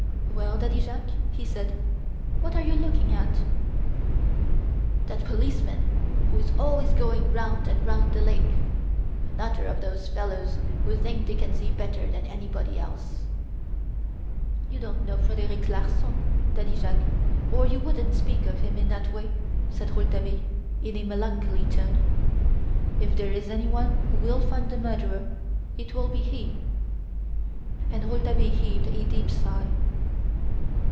"Well, Daddy Jacques," he said, "what are you looking at?" "That policeman who is always going round and round the lake. Another of those fellows who think they can see better than anybody else!" "You don't know Frederic Larsan, Daddy Jacques, or you wouldn't speak of him in that way," said Rouletabille in a melancholy tone. "If there is anyone who will find the murderer, it will be he." And Rouletabille heaved a deep sigh.